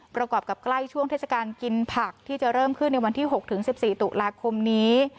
ประกอบกับใกล้ช่วงเทศกาลกินผักที่จะเริ่มขึ้นในวันที่๖๑๔ตุลาคมนี้